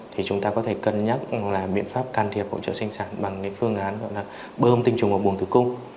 thì chúng ta có thể cân nhắc là biện pháp can thiệp hỗ trợ sinh sản bằng phương án bơm tình trùng vào buồng thử cung